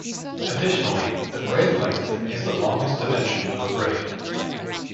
Additionally, the "braid length" is the longest dimension of a braid.